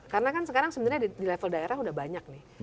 karena kan sekarang sebenarnya di level daerah udah banyak nih